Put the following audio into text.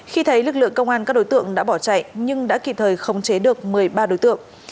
khi thấy lực lượng công an các đối tượng đã bỏ chạy nhưng đã kịp thời khống chế được một mươi ba đối tượng